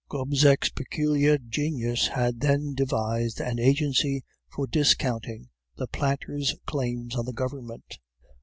Gobseck's peculiar genius had then devised an agency for discounting the planters' claims on the government.